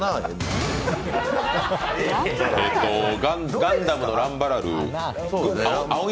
ガンダムのランバラル。